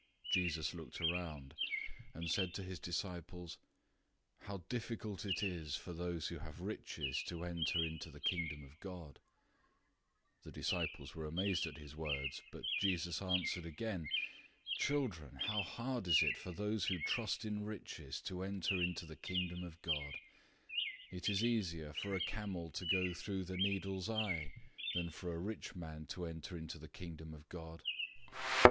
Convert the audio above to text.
010:023 Jesus looked around, and said to his disciples, "How difficult it is for those who have riches to enter into the Kingdom of God!" 010:024 The disciples were amazed at his words. But Jesus answered again, "Children, how hard is it for those who trust in riches to enter into the Kingdom of God! 010:025 It is easier for a camel to go through a needle's eye than for a rich man to enter into the Kingdom of God."